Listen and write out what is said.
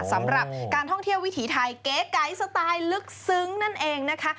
สำหรับการท่องเที่ยววิถีไทยเก๋ไก๋สไตล์ลึกซึ้งนั่นเองนะคะ